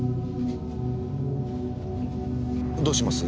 どうします？